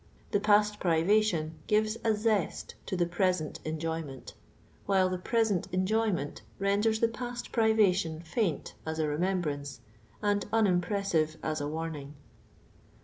The past privation gives a zest to the present en joynient; while the present enjoyment renders the past privation faint as a remembrance and unim pressive as a waniing.